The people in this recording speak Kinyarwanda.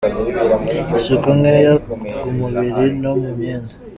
Isuku nkeya ku mubiri no mu myenda.